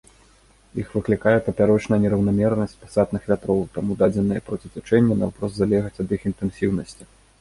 Іх выклікае папярочная нераўнамернасць пасатных вятроў, таму дадзеныя проціцячэнні наўпрост залежаць ад іх інтэнсіўнасці.